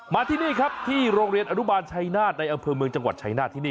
มาที่นี่ครับที่โรงเรียนอนุบาลชัยนาฏในอำเภอเมืองจังหวัดชายนาฏที่นี่